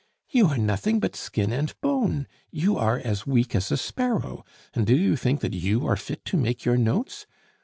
You are nothing but skin and bone you are as weak as a sparrow, and do you think that you are fit to make your notes!